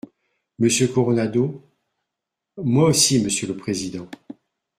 Monsieur Coronado ? Moi aussi, monsieur le président.